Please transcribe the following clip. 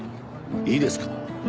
いいですか？